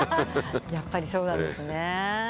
やっぱりそうなんですね。